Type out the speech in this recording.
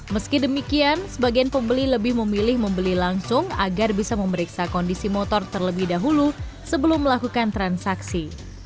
meski demikian sebagian pembeli lebih memilih membeli langsung agar bisa memeriksa kondisi motor terlebih dahulu sebelum melakukan transaksi